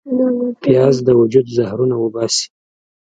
پیاز د وجود زهرونه وباسي